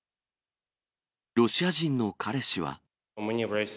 ロシア人の彼氏は。